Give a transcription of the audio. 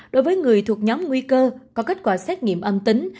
đối với người thuộc nhóm nguy cơ có kết quả xét nghiệm âm tính